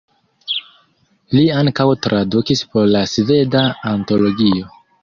Li ankaŭ tradukis por la Sveda Antologio.